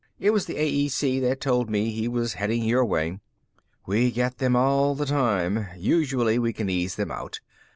It was the AEC that told me he was heading your way." "We get them all the time. Usually we can ease them out.